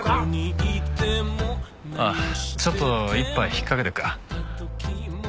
ああちょっと一杯引っ掛けてくか。